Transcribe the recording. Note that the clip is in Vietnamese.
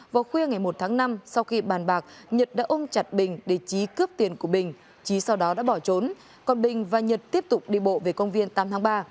vào khuya ngày một tháng năm sau khi bàn bạc nhật đã ôm chặt bình để trí cướp tiền của bình trí sau đó đã bỏ trốn còn bình và nhật tiếp tục đi bộ về công viên tám tháng ba